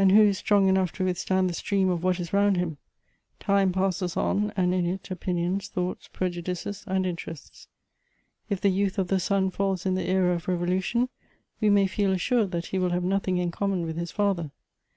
"And who is strong enough to withstand the stream of wh.it is round him ? Time passes on, and in it, opinions, thoughts, prejudices, and interests.' If the youth of the son fulls in the era of revolution, we may feel assured that he will have nothing in common with his father.